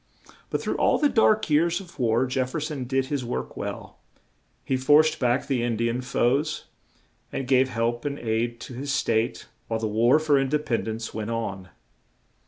But through all the dark years of war Jef fer son did his work well; he forced back the In di an foes, and gave help and aid to his State while the War for In de pend ence went on.